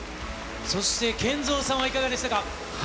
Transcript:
そしてＫＥＮＺＯさんはいかがでしたか。